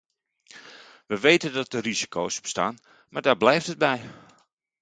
We weten dat er risico's bestaan, maar daar blijft het bij.